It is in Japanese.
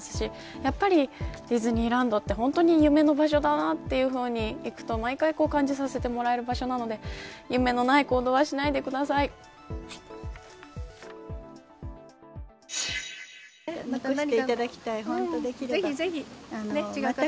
やっぱりディズニーランドは本当に夢の場所だなと行くと、毎回感じさせてもらえる場所なので夢のない行動はしないでください。